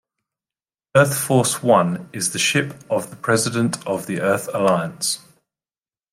"EarthForce One" is the ship of the President of the Earth Alliance.